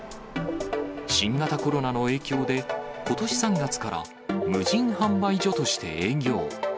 新型コロナの影響で、ことし３月から無人販売所として営業。